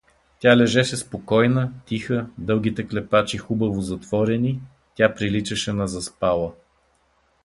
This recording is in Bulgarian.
Тя лежеше спокойна, тиха, дългите клепачи хубаво затворени, тя приличаше на заспала.